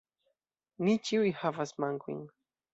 Ni ĉiuj havas mankojn.